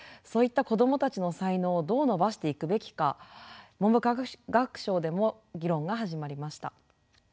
そういった子どもたちの才能をどう伸ばしていくべきか文部科学省でも議論が始まりました。